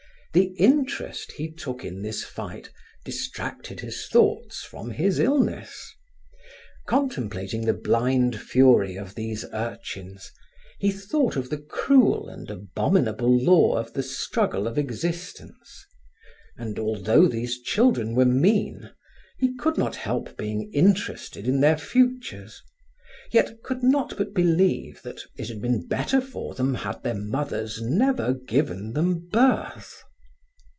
The interest he took in this fight distracted his thoughts from his illness. Contemplating the blind fury of these urchins, he thought of the cruel and abominable law of the struggle of existence; and, although these children were mean, he could not help being interested in their futures, yet could not but believe that it had been better for them had their mothers never given them birth.